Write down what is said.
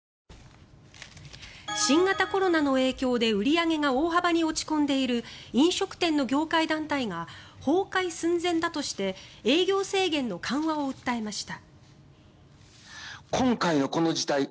新型コロナの影響で売り上げが大幅に落ち込んでいる飲食店の業界団体が崩壊寸前だとして営業制限の緩和を訴えました。